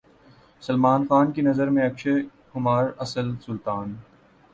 سلمان خان کی نظر میں اکشے کمار اصل سلطان